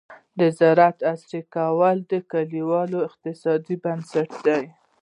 د زراعت عصري کول د کليوال اقتصاد بنسټ دی.